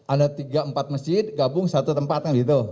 ada tiga empat masjid gabung satu tempat